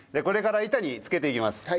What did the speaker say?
これから板に付けていきます。